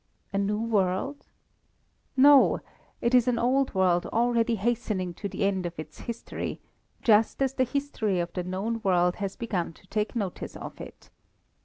A new world? No! It is an old world already hastening to the end of its history, just as the history of the known world has begun to take notice of it.